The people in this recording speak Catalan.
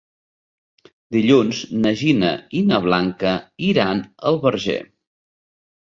Dilluns na Gina i na Blanca iran al Verger.